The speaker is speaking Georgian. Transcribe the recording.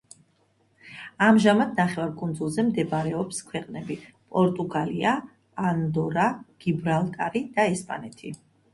ამჟამად ნახევარკუნძულზე მდებარეობს ქვეყნები: პორტუგალია, ანდორა, გიბრალტარი და ესპანეთი.